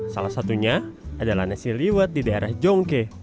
salah satunya adalah nasi liwet di daerah jongke